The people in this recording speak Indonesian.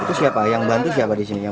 itu siapa yang bantu siapa di sini